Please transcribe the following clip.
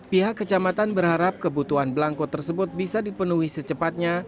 pihak kecamatan berharap kebutuhan belangko tersebut bisa dipenuhi secepatnya